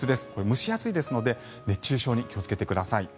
蒸し暑いですので熱中症に気をつけてください。